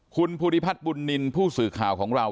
คุณภูริพัฒน์บุญนินทร์ผู้สื่อข่าวของเรา